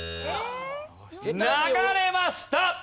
流れました！